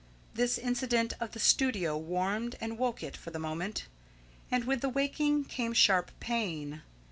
This incident of the studio warmed and woke it for the moment, and with the waking came sharp pain.